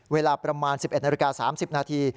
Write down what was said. เวลาประมาณ๑๑นาฬิกา๓๐นาที